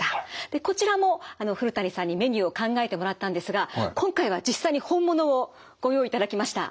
でこちらも古谷さんにメニューを考えてもらったんですが今回は実際に本物をご用意いただきました。